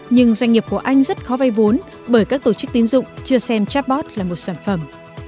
nhưng doanh nghiệp của anh rất khó vay vốn bởi các tổ chức tín dụng chưa xem chatbot là một sản phẩm